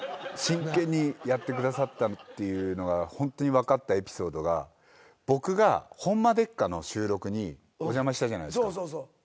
真剣にやってくださったっていうのがホントに分かったエピソードが僕が『ホンマでっか！？』の収録にお邪魔したじゃないですか。